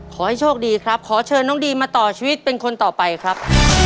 ขอให้โชคดีครับขอเชิญน้องดีมมาต่อชีวิตเป็นคนต่อไปครับ